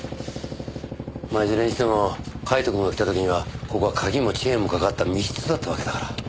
まあいずれにしてもカイトくんが来た時にはここは鍵もチェーンもかかった密室だったわけだから。